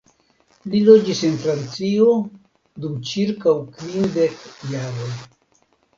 Li loĝis en Francio dum ĉirkaŭ kvin dek jaroj.